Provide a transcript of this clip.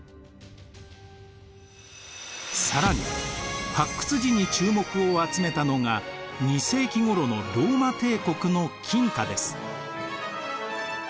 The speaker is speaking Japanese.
更に発掘時に注目を集めたのが２世紀ごろのローマ帝国の金貨です。